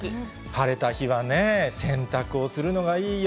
晴れた日はね、洗濯をするのがいいよ。